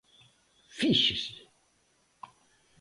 Fíxese.